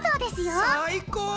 最高！